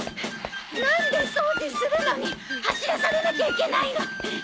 なんで掃除するのに走らされなきゃいけないの！